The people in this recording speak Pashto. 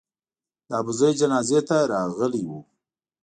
د ابوزید جنازې ته راغلي وو.